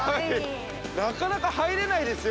◆なかなか入れないですよ。